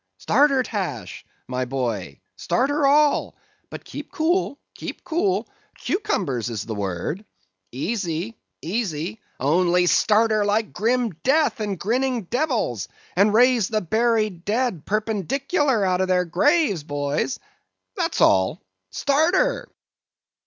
Start her, Tash, my boy—start her, all; but keep cool, keep cool—cucumbers is the word—easy, easy—only start her like grim death and grinning devils, and raise the buried dead perpendicular out of their graves, boys—that's all. Start her!"